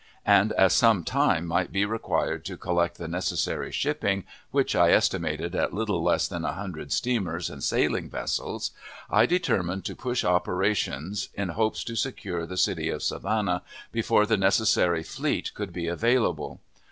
And as some time might be required to collect the necessary shipping, which I estimated at little less than a hundred steamers and sailing vessels, I determined to push operations, in hopes to secure the city of Savannah before the necessary fleet could be available.